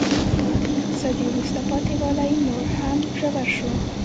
اقتصادي وروسته پاتې والی نور هم ژور شو.